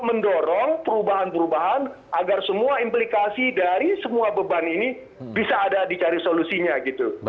mendorong perubahan perubahan agar semua implikasi dari semua beban ini bisa ada dicari solusinya gitu